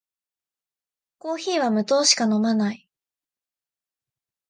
コーヒーは無糖しか飲まない